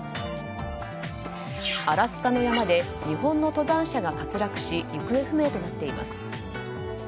アラスカの山で日本の登山者が滑落し行方不明となっています。